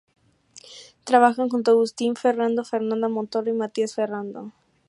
Trabajan junto a Agustín Ferrando, Fernanda Montoro y Matías Ferrando.